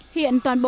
hiện toàn bộ